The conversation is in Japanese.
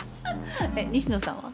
えっ西野さんは？